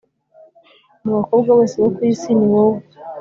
mu bakobwa bose bo ku isi ni wowe ,